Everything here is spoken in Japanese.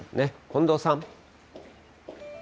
近藤さん。